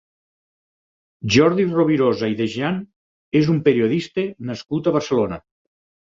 Jordi Robirosa i Dejean és un periodista nascut a Barcelona.